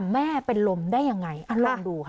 แม่เป็นลมได้ยังไงลองดูค่ะ